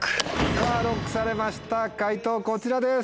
さぁＬＯＣＫされました解答こちらです。